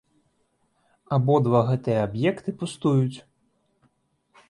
Абодва гэтыя аб'екты пустуюць.